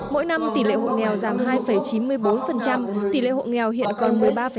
mỗi năm tỉ lệ hộ nghèo giảm hai chín mươi bốn tỉ lệ hộ nghèo hiện còn một mươi ba năm